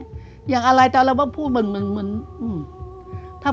อย่างอะไรแต่เราก็พูดมัน